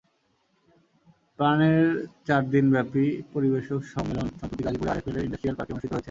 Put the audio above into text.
প্রাণের চার দিনব্যাপী পরিবেশক সম্মেলন সম্প্রতি গাজীপুরে আরএফএলের ইন্ডাস্ট্রিয়াল পার্কে অনুষ্ঠিত হয়েছে।